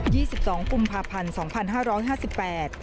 จังหวัดสงคลา๒๒กุมภาพันธ์สองพันห้าร้องห้าสิบแปด